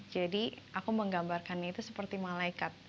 jadi aku menggambarkannya itu seperti malaikat